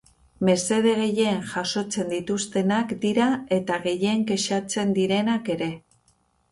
Mesede gehien jasotzen dituztenak dira eta gehien kexatzen direnak ere.